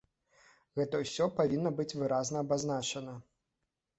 Гэта ўсё павінна быць выразна абазначана.